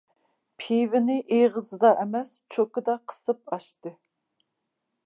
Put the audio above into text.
پىۋىنى ئېغىزىدا ئەمەس، چوكىدا قىسىپ ئاچتى.